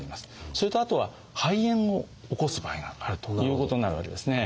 それとあとは肺炎を起こす場合があるということになるわけですね。